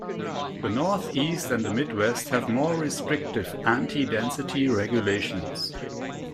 The Northeast and the Midwest have more restrictive anti-density regulations.